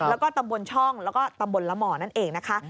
แล้วก็ตำบลช่องแล้วก็ตำบลละห่อนั่นเองนะคะ